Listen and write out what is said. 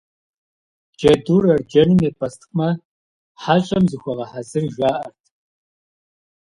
Джэдур арджэным епӀэстхъмэ, хьэщӀэм зыхуэгъэхьэзыр жаӏэрт.